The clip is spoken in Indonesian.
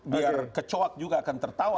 biar kecoak juga akan tertawa